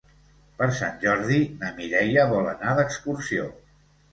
Per Sant Jordi na Mireia vol anar d'excursió.